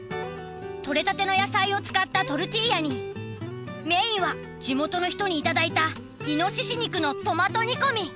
取れたての野菜を使ったトルティーヤにメインは地元の人に頂いたイノシシ肉のトマト煮込み。